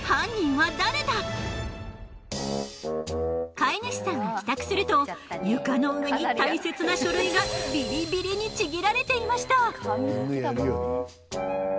飼い主さんが帰宅すると床の上に大切な書類がビリビリにちぎられていました。